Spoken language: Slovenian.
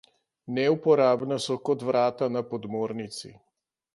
Neuporabna so kot vrata na podmornici.